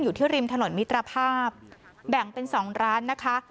อยู่ที่ริมถนนมิตรภาพแบ่งเป็น๒ร้านนะคะ